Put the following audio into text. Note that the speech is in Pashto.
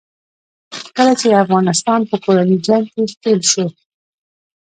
کله چې افغانستان په کورني جنګ کې ښکېل شو.